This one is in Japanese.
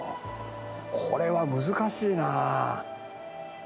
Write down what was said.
これは難しいなあ。